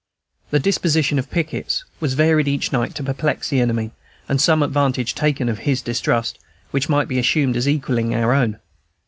The disposition of pickets was varied each night to perplex the enemy, and some advantage taken of his distrust, which might be assumed as equalling our own.